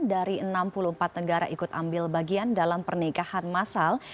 dari enam puluh empat negara ikut ambil bagian dalam pernikahan masal